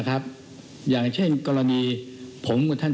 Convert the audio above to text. นะครับอย่างเช่นกรณีผมกับท่าน